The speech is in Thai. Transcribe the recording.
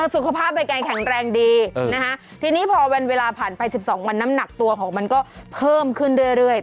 สุขภาพใบแกงแข็งแรงดีนะฮะทีนี้พอวันเวลาผ่านไป๑๒วันน้ำหนักตัวของมันก็เพิ่มขึ้นเรื่อย